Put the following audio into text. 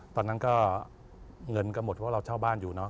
ตอนนั้นก็เงินก็หมดเพราะเราเช่าบ้านอยู่เนาะ